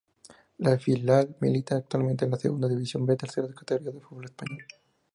El filial milita actualmente en la Segunda División "B", tercera categoría del fútbol español.